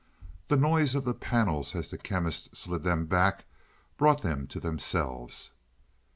The noise of the panels as the Chemist slid them back brought them to themselves.